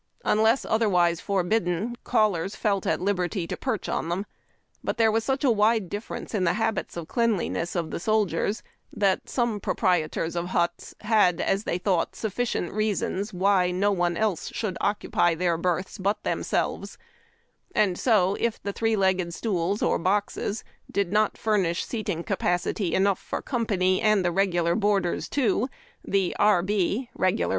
Unless otherwise forbidden, callers felt at liberty to perch on them ; but there was sucli a wide difference in the habits of cleanliness of the soldiers that some proprietors of huts had, as they thought, sufficient reasons Avhy no one else should occupy their berths but themselves, and so, if the three legged stools or boxes did not furnish seating capacity enough for company, and the regular boarders, too, the r.